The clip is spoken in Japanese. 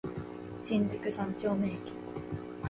新宿三丁目駅